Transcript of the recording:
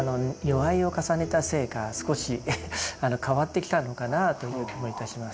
齢を重ねたせいか少し変わってきたのかなという気もいたします。